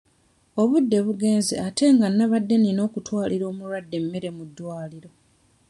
Obudde bugenze ate nga nabadde nina okutwalira omulwadde emmere ku ddwaliro.